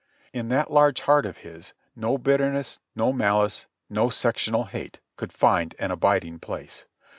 In that large heart of his no bitterness, no malice, no sec tional hate could find an abiding place.